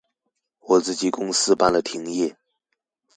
我自己公司辦了停業